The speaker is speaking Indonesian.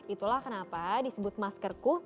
itulah kenapa disebut maskerku